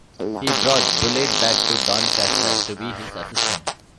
He brought Bulleid back to Doncaster to be his assistant.